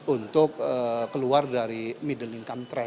untuk keluar dari middle income track